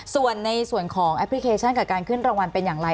ส่วนในส่วนของแอปพลิเคชันกับการขึ้นรางวัลเป็นอย่างไร